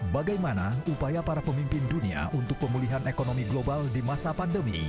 bagaimana upaya para pemimpin dunia untuk pemulihan ekonomi global di masa pandemi